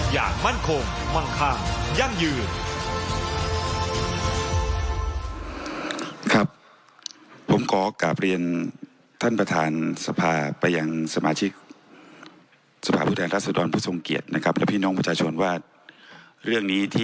อย่างมั่นคงมั่งค่ายั่งยืน